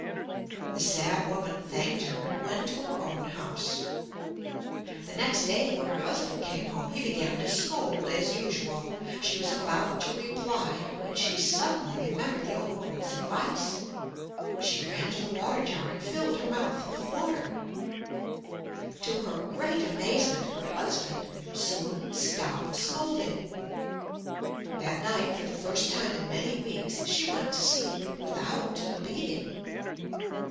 The sad woman thanked her and went to her own house. The next day when her husband came home he began to scold as usual. She was about to reply when she suddenly remembered the old woman's advice. She ran to the water jar and filled her mouth with water. [Illustration: She ran to the water jar] To her great amazement her husband soon stopped scolding. That night, for the first time in many weeks, she went to sleep without a beating.